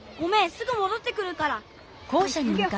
すぐもどってくるから。